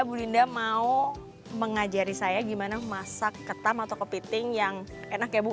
bu linda mau mengajari saya gimana masak ketam atau kepiting yang enak ya bu